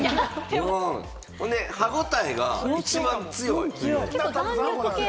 ほんで歯応えが一番強い。